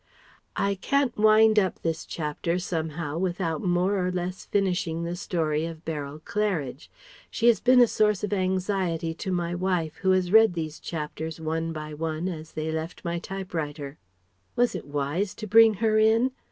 ] I can't wind up this chapter somehow without more or less finishing the story of Beryl Claridge. She has been a source of anxiety to my wife who has read these chapters one by one as they left my typewriter. "Was it wise to bring her in?"